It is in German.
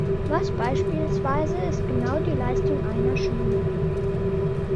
Was beispielsweise ist genau die Leistung einer Schule?